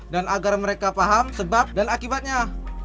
dan agar mereka paham sebab dan akibatnya